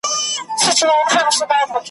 د ښکاري په لاس چاړه وه دم درحاله ,